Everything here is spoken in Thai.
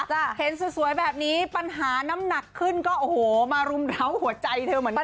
เห็นสวยแบบนี้ปัญหาน้ำหนักขึ้นก็โอ้โหมารุมร้าวหัวใจเธอเหมือนกัน